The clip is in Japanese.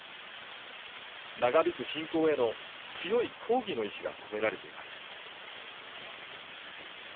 長引く侵攻への強い抗議の意思が込められています。